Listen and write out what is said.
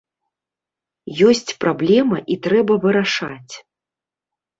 Ёсць праблема і трэба вырашаць.